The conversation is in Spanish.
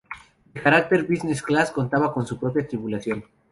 De carácter Business Class, contaba con su propia tripulación.